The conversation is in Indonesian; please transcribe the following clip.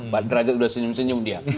pak derajat sudah senyum senyum dia